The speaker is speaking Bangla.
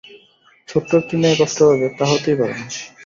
ছোট্ট একটি মেয়ে কষ্ট পাবে, তা হতেই পারে না।